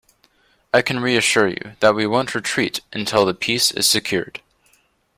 I can reassure you, that we won't retreat until the peace is secured.